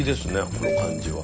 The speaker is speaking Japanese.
この感じは。